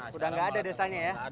sudah nggak ada desanya ya